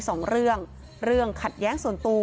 ตึงมนุษย์เอง